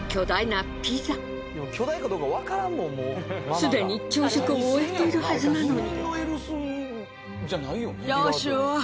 すでに朝食を終えているはずなのに。